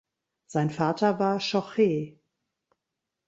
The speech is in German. Sein Vater war Schochet.